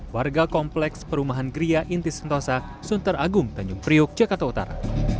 warga kompleks perumahan gria inti sentosa sunter agung tanjung priuk jakarta utara